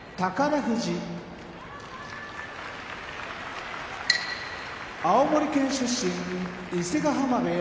富士青森県出身伊勢ヶ濱部屋